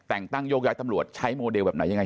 แต่งตั้งโยกย้ายตำรวจใช้โมเดลแบบไหนยังไง